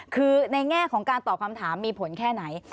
คือในแง่ของการตอบคำถามมีผลแค่ไหน